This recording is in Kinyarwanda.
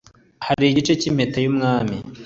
hari igice cy impeta y umwami